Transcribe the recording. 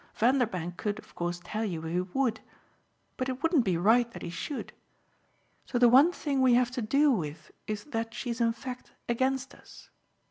Vanderbank could of course tell you if he would but it wouldn't be right that he should. So the one thing we have to do with is that she's in fact against us.